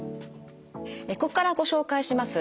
ここからご紹介します